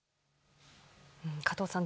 加藤さん